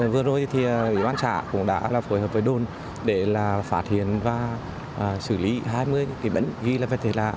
vừa rồi bỉa ban xã cũng đã phối hợp với đồn để phát hiện và xử lý hai mươi kỷ bẩn ghi là vật thể lạ